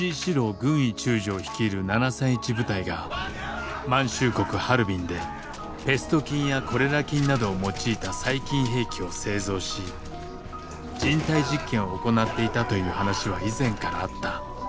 軍医中将率いる７３１部隊が満州国ハルビンでペスト菌やコレラ菌などを用いた細菌兵器を製造し人体実験を行っていたという話は以前からあった。